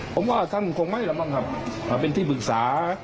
ผมว่าท่านคงไม่ละมังครับเป็นที่ปรึกษา